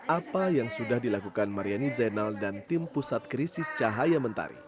apa yang sudah dilakukan mariani zainal dan tim pusat krisis cahaya mentari